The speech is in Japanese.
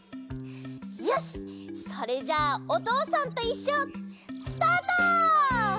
よしそれじゃあ「おとうさんといっしょ」スタート！